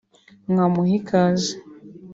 nkamuha ikaze